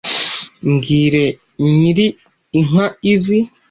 mbwire nyiri inka izi